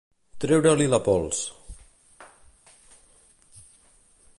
Treure-li la pols.